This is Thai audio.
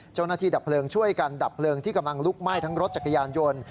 ดับเพลิงช่วยกันดับเพลิงที่กำลังลุกไหม้ทั้งรถจักรยานยนต์